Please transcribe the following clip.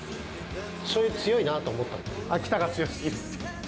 しょうゆ強いなと思った、秋田が強すぎる。